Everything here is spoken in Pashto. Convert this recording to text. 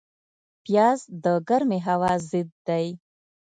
پیاز د ګرمې هوا ضد دی